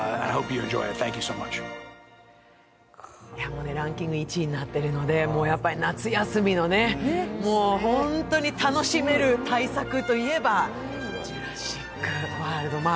もうランキング１位になっているので、夏休みのね、ホントに楽しめる大作といえば「ジュラシック・ワールド」。